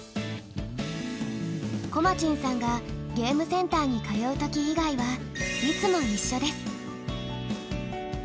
コマチンさんがゲームセンターに通うとき以外はいつも一緒です。